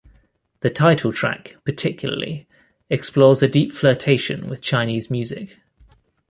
The title track, particularly, explores a deep flirtation with Chinese music.